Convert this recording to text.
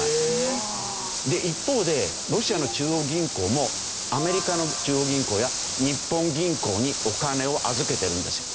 で一方でロシアの中央銀行もアメリカの中央銀行や日本銀行にお金を預けてるんですよ。